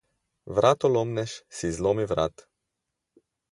Vratolomnež si zlomi vrat.